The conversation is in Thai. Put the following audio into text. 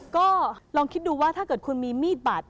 ก็ลองคิดดูว่าถ้าเกิดคุณมีมีดบัตร